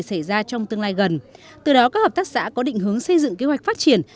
xảy ra trong tương lai gần từ đó các hợp tác xã có định hướng xây dựng kế hoạch phát triển